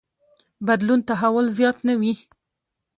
بدلون تحول زیات نه وي.